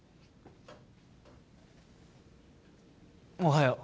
おはよう